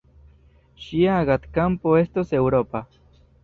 Ŝia agadkampo estos eŭropa.